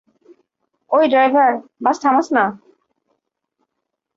ওই driver, bus থামাস না।